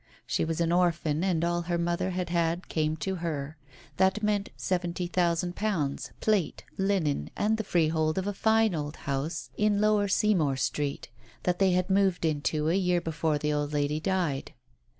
She was an orphan, and all her mother had had came to her. That meant seventy thousand pounds, plate, linen and the freehold of a fine old house in Lower Seymour Street, that they had moved into a year before the old lady died.